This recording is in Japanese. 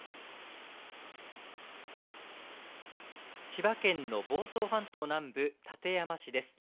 千葉県の房総半島南部館山市です。